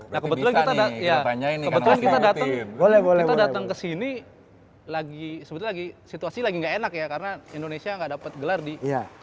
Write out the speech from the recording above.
nah kebetulan kita datang ke sini lagi sebetulnya lagi situasi lagi gak enak ya karena indonesia gak dapat gelar di kejuaraan indonesia